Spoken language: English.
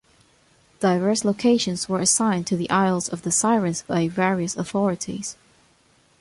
Diverse locations were assigned to the isles of the sirens by various authorities.